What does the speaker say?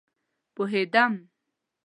پوهيدم